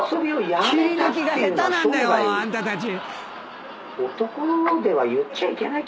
切り抜きが下手なんだよあんたたち。